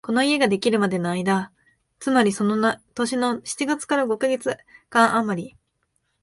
この家ができるまでの間、つまりその年の七月から五カ月間あまり、